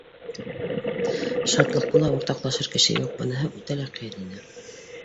Шатлыҡты ла уртаҡлашыр кеше юҡ, быныһы үтә лә ҡыйын ине.